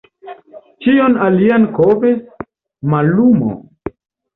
Ĉion alian kovris mallumo.